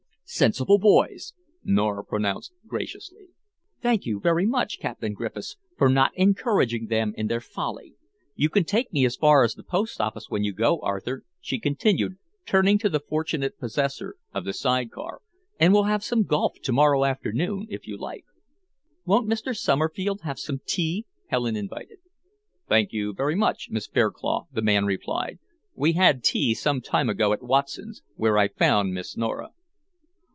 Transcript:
"Sensible boys!" Nora pronounced graciously. "Thank you very much, Captain Griffiths, for not encouraging them in their folly. You can take me as far as the post office when you go, Arthur," she continued, turning to the fortunate possessor of the side car, "and we'll have some golf to morrow afternoon, if you like." "Won't Mr. Somerfield have some tea?" Helen invited. "Thank you very much, Miss Fairclough," the man replied; "we had tea some time ago at Watson's, where I found Miss Nora."